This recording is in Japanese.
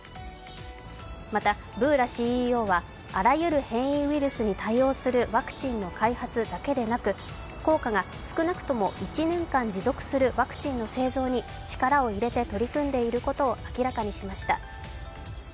また、ブーラＣＥＯはあらゆる変異ウイルスに対応するワクチンの開発だけでなく効果が少なくとも１年間持続するワクチンの製造に力を入れて取り組んでいることを明らかにしました。